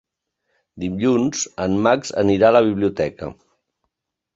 Dilluns en Max anirà a la biblioteca.